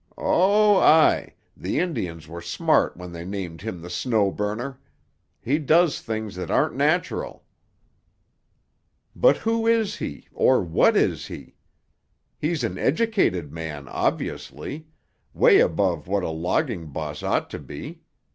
Oh, aye; the Indians were smart when they named him the Snow Burner. He does things that aren't natural." "But who is he, or what is he? He's an educated man, obviously—'way above what a logging boss ought to be.